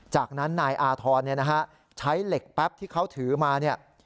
จากนั้นนายอาธรณ์ใช้เหล็กแป๊บที่เขาถือมาเนี่ย